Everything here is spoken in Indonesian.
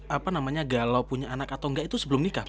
apa namanya gak lo punya anak atau enggak itu sebelum nikah kan